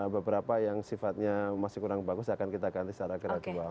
beberapa yang sifatnya masih kurang bagus akan kita ganti secara gradual